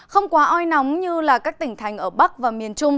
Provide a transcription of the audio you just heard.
không quá oi nóng như các tỉnh thành ở bắc và miền trung